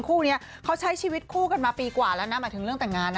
คู่นี้เขาใช้ชีวิตคู่กันมาปีกว่าแล้วนะหมายถึงเรื่องแต่งงานนะ